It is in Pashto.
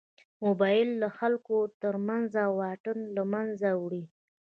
موبایل د خلکو تر منځ واټن له منځه وړي.